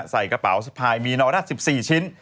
ใส่กระเป๋าสะพายมีนอกนะสิบสี่ชิ้น